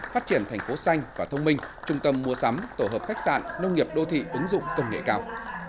phát triển thành phố xanh và thông minh trung tâm mua sắm tổ hợp khách sạn nông nghiệp đô thị ứng dụng công nghệ cao